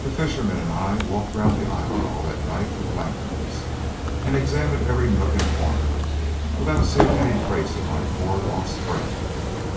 The fishermen and I walked round the island all that night with lanterns, and examined every nook and corner without seeing a trace of my poor lost friend.